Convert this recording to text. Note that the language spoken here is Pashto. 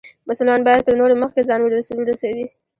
مسلمان باید تر نورو مخکې ځان ورورسوي.